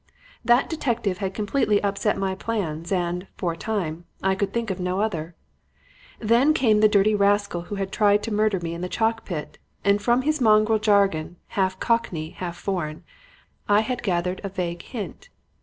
That detective had completely upset my plans and, for a time, I could think of no other. Then came the dirty rascal who had tried to murder me in the chalk pit; and from his mongrel jargon, half cockney, half foreign, I had gathered a vague hint.